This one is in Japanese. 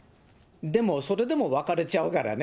でも、それでも別れちゃうからね。